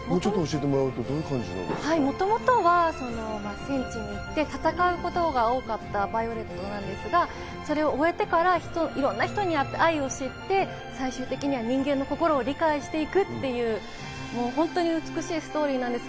もともとは戦地に行って戦うことが多かったヴァイオレットなんですが、それを終えてから、いろんな人に会って、愛を知って、最終的には人間の心を理解していく、本当に美しいストーリーです。